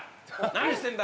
何してんだ！